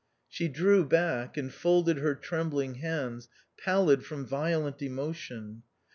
She drew back, and folded her trembling hands, pallid from violent emotion.